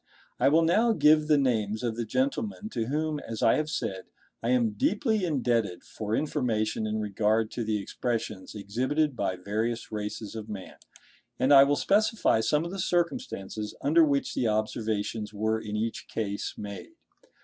I will now give the names of the gentlemen to whom, as I have said, I am deeply indebted for information in regard to the expressions exhibited by various races of man, and I will specify some of the circumstances under which the observations were in each case made.